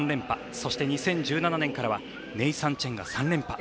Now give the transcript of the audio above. そして、２０１７年からはネイサン・チェンが３連覇。